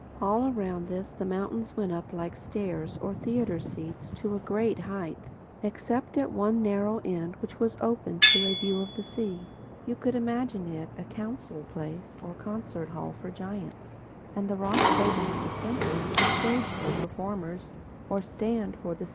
All around this the mountains went up like stairs, or theatre seats, to a great height—except at one narrow end which was open to a view of the sea. You could imagine it a council place or concert hall for giants, and the rock table in the centre the stage for performers or the stand for the speaker.